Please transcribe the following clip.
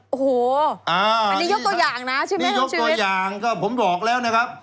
โอ้โหอันนี้ยกตัวอย่างนะใช่ไหมยกตัวอย่างก็ผมบอกแล้วนะครับ